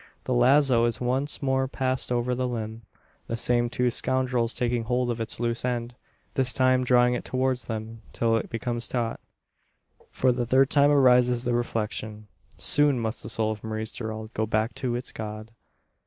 The lazo is once more passed over the limb; the same two scoundrels taking hold of its loose end this time drawing it towards them till it becomes taut. For the third time arises the reflection: "Soon must the soul of Maurice Gerald go back to its God!"